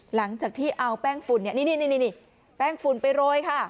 หลังจากที่เอาแป้งฝุ่นเนี้ยนี่นี่นี่นี่นี่แป้งฝุ่นไปโรยค่ะ